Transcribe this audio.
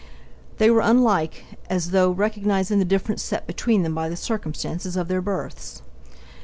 They were unlike, as though recognising the difference set between them by the circumstances of their births.